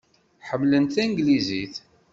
Ḥemmlen tanglizit.